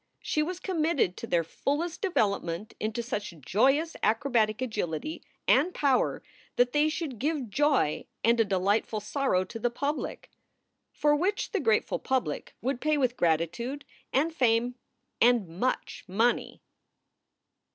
She was com mitted to their fullest development into such joyous acrobatic agility and power that they should give joy and a delightful sorrow to the public. For which the grateful public would pay with gratitude and fame and much money.